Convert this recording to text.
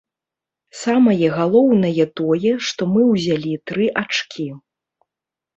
Самае галоўнае тое, што мы ўзялі тры ачкі.